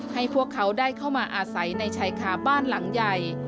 ให้พวกเขาได้เข้ามาอาศัยในชายคาบ้านหลังใหญ่